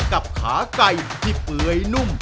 กับขาไก่ที่เปื่อยนุ่ม